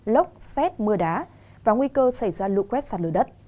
lốc xét mưa đá và nguy cơ xảy ra lũ quét sạt lở đất